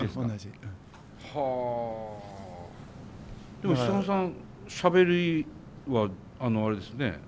でもヒサノさんしゃべりはあれですね。